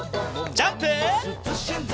ジャンプ！